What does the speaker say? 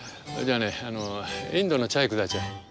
じゃあねインドのチャイくだチャイ。